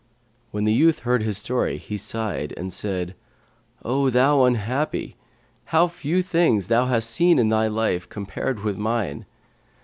When the youth heard his story, he sighed and said, 'O thou unhappy! How few things thou hast seen in thy life compared with mine.